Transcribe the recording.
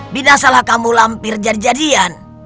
bidah salah kamu lampir jadian jadian